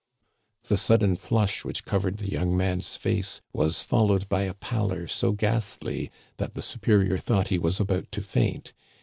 The sudden flush which covered the young man's face was followed by a pallor so ghastly that the supe rior, thought he was about to faint.